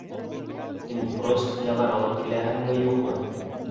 Һин простынялар алып киләһеңме, юҡмы?!